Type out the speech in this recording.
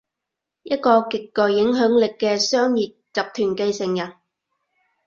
一個極具影響力嘅商業集團繼承人